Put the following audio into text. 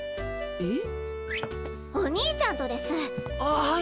えっ？